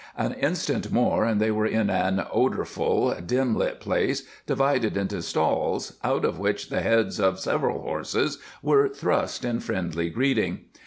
An instant more and they were in an odorful, dim lit place divided into stalls out of which the heads of several horses were thrust in friendly greeting.